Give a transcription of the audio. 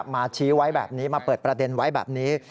ชี้ไว้แบบนี้มาเปิดประเด็นไว้แบบนี้